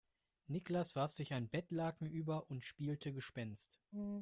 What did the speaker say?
Niklas warf sich ein Bettlaken über und spielte Gespenst.